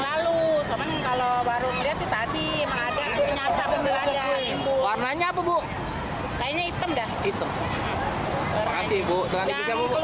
disambit anak anak ini benda lagi ya